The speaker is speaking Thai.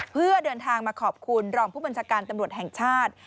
เพื่อเดินทางมาขอบคุณรองผู้บัญชาการตำรวจแห่งชาติ